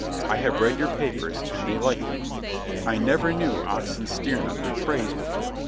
I have read your papers, and they like me. I never knew Oxenstierna could praise before.